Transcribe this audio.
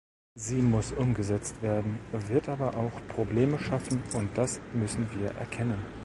Sie muss umgesetzt werden, wird aber auch Probleme schaffen und das müssen wir erkennen.